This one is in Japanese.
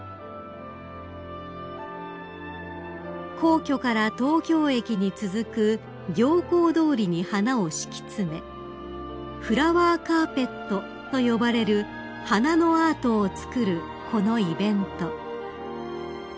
［皇居から東京駅に続く行幸通りに花を敷き詰めフラワーカーペットと呼ばれる花のアートを作るこのイベント］